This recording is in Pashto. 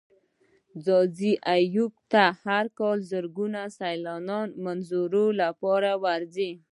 ځاځي اريوب ته هر کال زرگونه سيلانيان د منظرو لپاره ورځي.